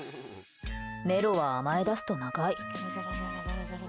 メロは甘え出すと長い。